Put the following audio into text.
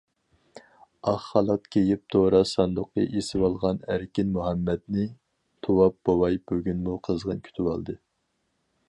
ئاق خالات كىيىپ، دورا ساندۇقى ئېسىۋالغان ئەركىن مۇھەممەدنى تۇراپ بوۋاي بۈگۈنمۇ قىزغىن كۈتۈۋالدى.